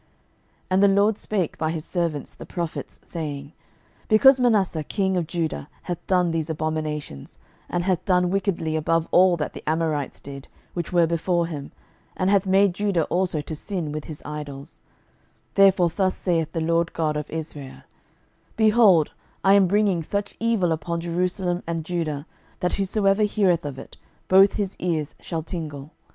12:021:010 And the LORD spake by his servants the prophets, saying, 12:021:011 Because Manasseh king of Judah hath done these abominations, and hath done wickedly above all that the Amorites did, which were before him, and hath made Judah also to sin with his idols: 12:021:012 Therefore thus saith the LORD God of Israel, Behold, I am bringing such evil upon Jerusalem and Judah, that whosoever heareth of it, both his ears shall tingle.